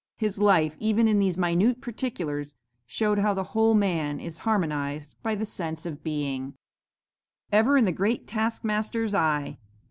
His life, even in these minute particulars, showed how the whole man is harmonized by the sense of being 'Ever in the Great Taskmaster's eye.'